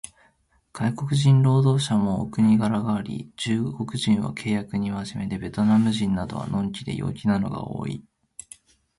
外国人労働者もお国柄があり、中国人は契約に真面目で、ベトナムなどは呑気で陽気なのが多い